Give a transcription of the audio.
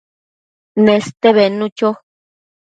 Neste bednu cho